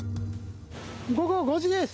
午後５時です。